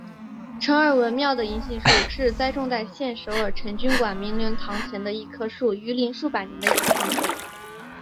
首尔文庙的银杏树是栽种在现首尔成均馆明伦堂前的一棵树龄逾数百年的银杏树。